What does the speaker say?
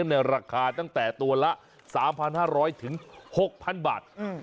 ในราคาตั้งแต่ตัวละ๓๕๐๐ถึง๖๐๐๐บาท